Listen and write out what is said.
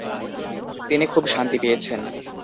তিনি খুব শান্তি পেয়েছেন।